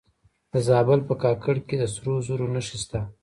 د زابل په کاکړ کې د سرو زرو نښې شته.